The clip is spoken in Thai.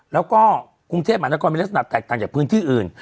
แล้วก็กรุงเทพมหานครมีลักษณะแตกต่างจากพื้นที่อื่น